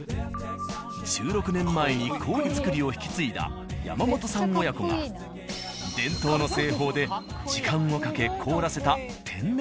１６年前に氷作りを引き継いだ山本さん親子が伝統の製法で時間をかけ凍らせた天然氷。